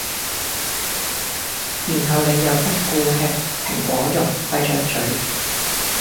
然後你又不願吃蘋果茸，閉著咀